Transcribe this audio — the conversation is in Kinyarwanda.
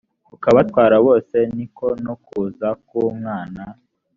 ukabatwara bose ni ko no kuza k umwana